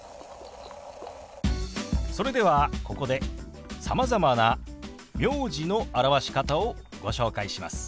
それではここでさまざまな名字の表し方をご紹介します。